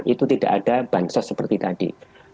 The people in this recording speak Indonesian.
itu tidak ada bahan sos seperti tadi